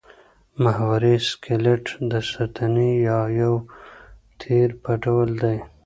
محوري سکلېټ د ستنې یا یو تیر په ډول دی.